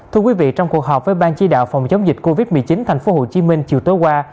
thưa quý vị trong cuộc họp với ban chỉ đạo phòng chống dịch covid một mươi chín tp hcm chiều tối qua